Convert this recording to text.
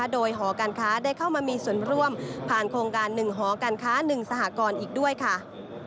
โดยหอการค้าได้เข้ามามีส่วนร่วมผ่านโครงการ๑หอการค้า๑สหกรณ์อีกด้วยค่ะ